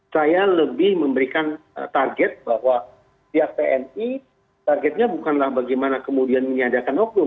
saya lebih memberikan target bahwa pihak tni targetnya bukanlah bagaimana kemudian menyadarkan oknum